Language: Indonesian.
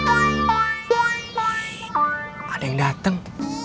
ada yang datang